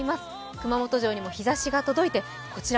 熊本城にも日ざしが届いてこちら